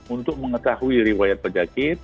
untuk mengetahui riwayat penyakit